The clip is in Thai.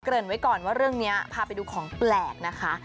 ริ่นไว้ก่อนว่าเรื่องนี้พาไปดูของแปลกนะคะ